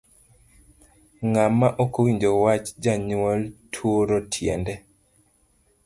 Ng'ama okowinjo wach janyuol turo tiende.